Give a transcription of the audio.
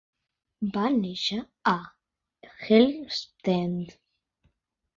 Va néixer a Helmstedt.